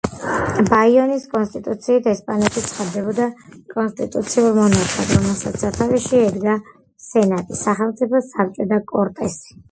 ბაიონის კონსტიტუციით ესპანეთი ცხადდებოდა კონსტიტუციურ მონარქიად, რომელსაც სათავეში ედგა სენატი, სახელმწიფო საბჭო და კორტესი.